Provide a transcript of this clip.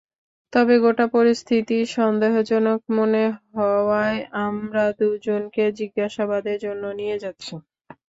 তবে গোটা পরিস্থিতি সন্দেহজনক মনে হওয়ায় আমরা দুজনকে জিজ্ঞাসাবাদের জন্য নিয়ে যাচ্ছি।